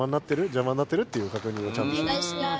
「じゃまになってる」っていうかくにんをちゃんとしてます。